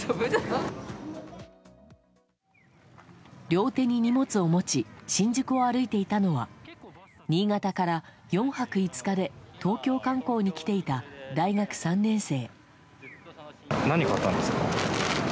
両手に荷物を持ち新宿を歩いていたのは新潟から４泊５日で東京観光に来ていた大学３年生。